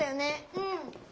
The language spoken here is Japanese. うん。